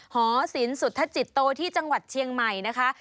หอศิลปุธจิตโตที่จังหวัดเชียงใหม่นะคะ